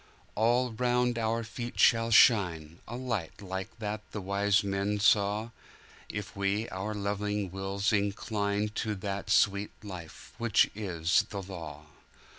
All round about our feet shall shineA light like that the wise men saw, If we our loving wills inclineTo that sweet Life which is the Law.